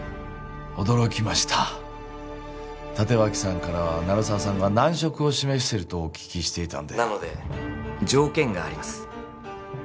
驚きました立脇さんからは鳴沢さんが難色を示しているとお聞きしていたのでなので条件があります